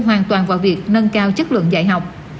hoàn toàn vào việc nâng cao chất lượng dạy học